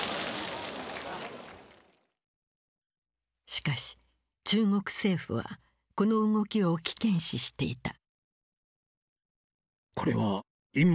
しかし中国政府はこの動きを危険視していた。